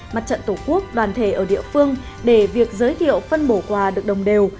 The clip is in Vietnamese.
mặt trận tổ quốc đoàn thể ở địa phương để việc giới thiệu phân bổ quà được đồng đều